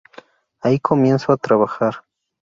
Ahí comienzo a trabajar".